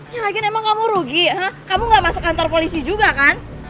ya lagian emang kamu rugi ha kamu ga masuk kantor polisi juga kan